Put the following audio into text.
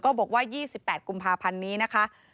บอกว่า๒๘กุมภาพันธ์นี้นะคะ